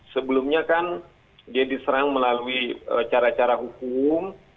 sebelumnya kan dia diserang melalui cara cara hukum